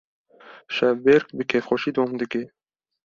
Şevbêrk bi kêfxweşî dom dike.